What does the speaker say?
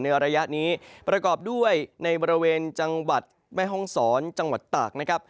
ระยะนี้ประกอบด้วยในบริเวณจังหวัดแม่ห้องศรจังหวัดตากนะครับ